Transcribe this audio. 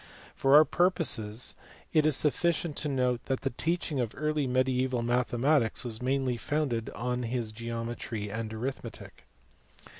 For our purpose it is sufficient to note that the teaching of early mediaeval mathematics was mainly founded on his geometry and arithmetic.